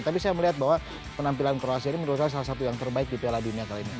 tapi saya melihat bahwa penampilan kroasia ini menurut saya salah satu yang terbaik di piala dunia kali ini